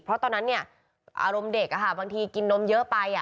เพราะตอนนั้นอารมณ์เด็กบางทีกินนมเยอะไป